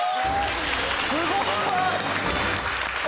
すごい！